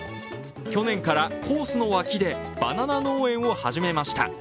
去年からコースの脇でバナナ農園を始めました。